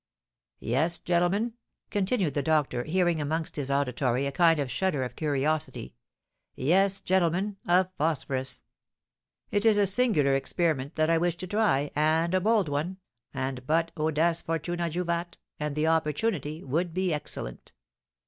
Yes, gentlemen," continued the doctor, hearing amongst his auditory a kind of shudder of curiosity, "yes, gentlemen, of phosphorus; it is a singular experiment that I wish to try, and a bold one, and but audaces fortuna juvat, and the opportunity would be excellent.